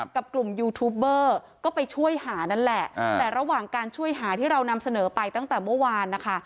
กับกลุ่มยูทูปเบอร์ก็ไปช่วยหานั่นแหละแต่ระหว่างการช่วยหาที่เรานำเสนอไปตั้งแต่เมื่อวานนะคะ